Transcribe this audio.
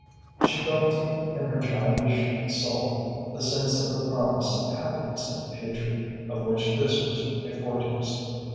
She felt deep in her childish soul the sense of a promise of happiness in the future, of which this was a foretaste.